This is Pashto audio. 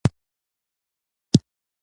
هلک له عقل سره خبرې کوي.